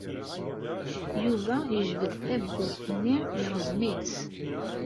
Yuba yejbed tawwurt-nni, yerẓem-itt.